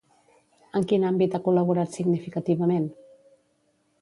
En quin àmbit ha col·laborat significativament?